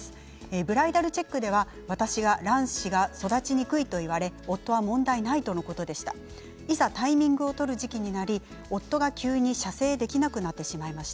ブライダルチェックでは私は卵子が育ちにくいと言われ夫は問題ないとのことでした。